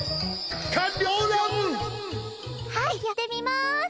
はいやってみます！